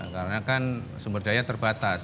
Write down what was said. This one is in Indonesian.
karena kan sumber daya terbatas